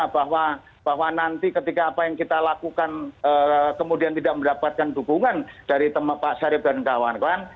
bahwa nanti ketika apa yang kita lakukan kemudian tidak mendapatkan dukungan dari pak sarip dan kawan kawan